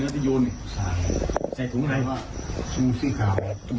สวัสดีครับ